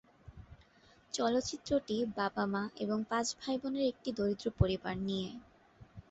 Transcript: চলচ্চিত্রটি বাবা-মা এবং পাঁচ ভাইবোনের একটি দরিদ্র পরিবার নিয়ে।